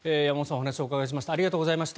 お話をお伺いしました。